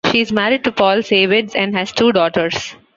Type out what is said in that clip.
She is married to Paul Sayvetz, and has two daughters.